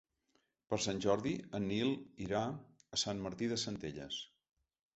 Per Sant Jordi en Nil irà a Sant Martí de Centelles.